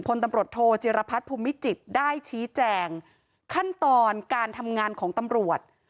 พลตำรวจโทจิรพัฒน์ภูมิจิตรได้ชี้แจงขั้นตอนการทำงานของตำรวจ